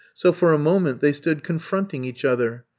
So for a moment they stood confronting each other.